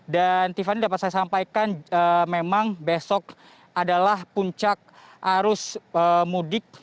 dan tiffany dapat saya sampaikan memang besok adalah puncak arus mudik